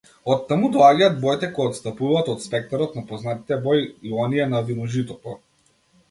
Оттаму доаѓаат боите кои отстапуваат од спектарот на познатите бои и оние на виножитото.